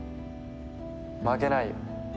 負けないよ。